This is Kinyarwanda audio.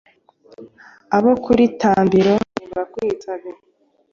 Abo kuri Tambiro nibakwitabe,